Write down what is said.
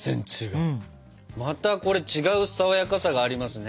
またこれ違う爽やかさがありますね。